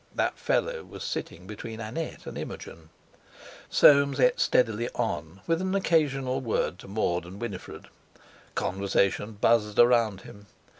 That fellow was sitting between Annette and Imogen. Soames ate steadily on, with an occasional word to Maud and Winifred. Conversation buzzed around him.